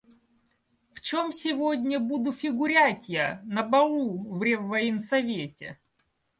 В чем сегодня буду фигурять я на балу в Реввоенсовете?